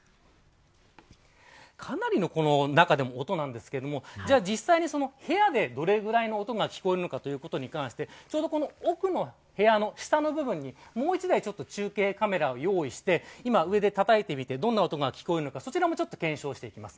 かなりの音なんですけど実際に、部屋でどれくらいの音が聞こえるのかということに関して奥の部屋の下の部分に、もう１台中継カメラを用意して今、上でたたいてみてどんな音が聞こえるのかそちらも検証していきます。